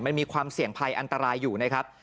มันมีความเสี่ยงภัยอันตรายอยู่นะครับ